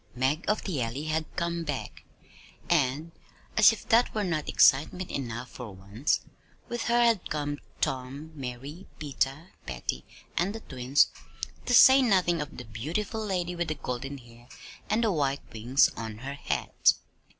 Mag of the Alley had come back. And, as if that were not excitement enough for once, with her had come Tom, Mary, Peter, Patty, and the twins, to say nothing of the beautiful lady with the golden hair, and the white wings on her hat.